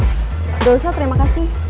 gak usah terima kasih